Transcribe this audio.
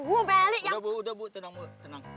udah bu udah bu tenang bu tenang